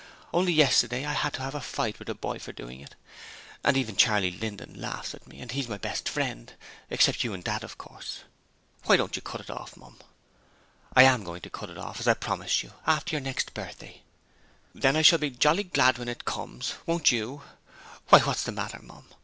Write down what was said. Only yesterday I had to have a fight with a boy for doing it: and even Charley Linden laughs at me, and he's my best friend except you and Dad of course. 'Why don't you cut it off, Mum?' 'I am going to cut it as I promised you, after your next birthday.' 'Then I shall be jolly glad when it comes. Won't you? Why, what's the matter, Mum?